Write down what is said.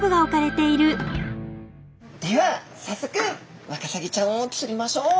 ではさっそくワカサギちゃんを釣りましょう。